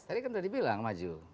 tadi kan tadi bilang maju